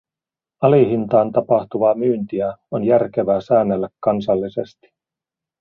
Alihintaan tapahtuvaa myyntiä on järkevää säännellä kansallisesti.